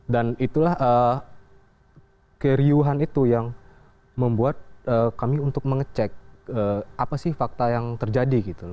dan itulah keriuhan itu yang membuat kami untuk mengecek apa sih fakta yang terjadi gitu